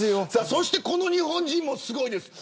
そしてこの日本人もすごいです。